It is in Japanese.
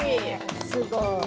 すごい。